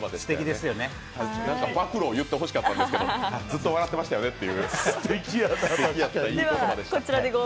暴露を言って欲しかったんですけどずっと笑ってましたよねって。